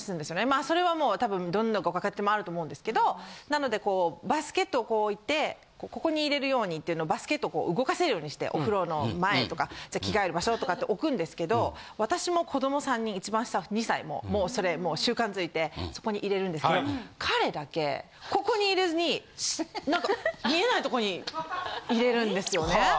まあそれはもう多分どんなご家庭にもあるんと思うんですけどなのでこうバスケットをこう置いてここに入れるようにっていうのをバスケットをこう動かせるようにしてお風呂の前とか着替える場所とかって置くんですけど私も子供３人一番下は２歳もうそれ習慣づいてそこに入れるんですけど彼だけここに入れずに何か見えないとこに入れるんですよね。